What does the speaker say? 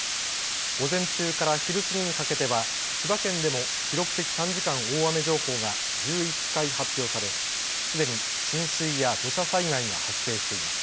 午前中から昼過ぎにかけては千葉県でも記録的短時間大雨情報が１１回発表され、すでに浸水や土砂災害が発生しています。